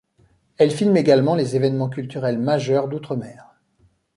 Elle filme également les évènements culturels majeurs d'outre-mer.